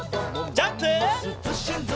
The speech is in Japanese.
ジャンプ！